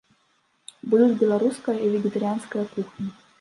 Будуць беларуская і вегетарыянская кухні.